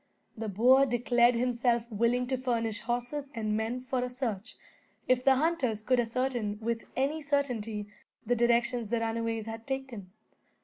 The boer declared himself willing to furnish horses and men for a search, if the hunters could ascertain, with any certainty, the direction the runaways had taken.